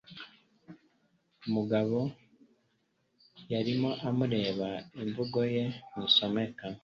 Mugabo yarimo amureba, imvugo ye ntisomeka.